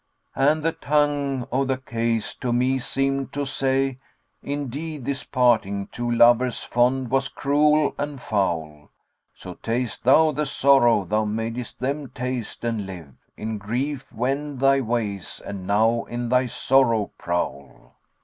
And the tongue o' the case to me seemed to say, * 'Indeed This parting two lovers fond was cruel and foul! So taste thou the sorrow thou madest them taste and live * In grief: wend thy ways and now in thy sorrow prowl!'"